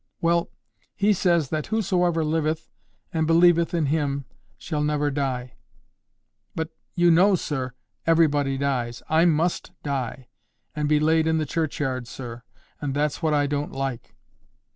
"Well, He says that whosoever liveth and believeth in Him shall never die." "But, you know, sir, everybody dies. I MUST die, and be laid in the churchyard, sir. And that's what I don't like."